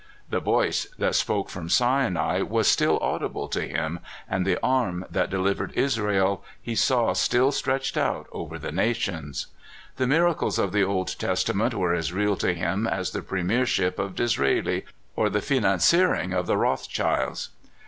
The Voice that spoke from Si nai was still audible to him, and the Arm that de livered Israel he saw still stretched out over the nations. The miracles of the Old Testament were THE EADDL 155 as real to him as the premiership of Disraeli, or the financiering of the Kothschilds.